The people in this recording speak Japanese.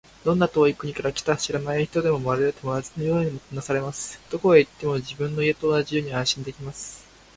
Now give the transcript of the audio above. どんな遠い国から来た知らない人でも、まるで友達のようにもてなされます。どこへ行っても、自分の家と同じように安心できます。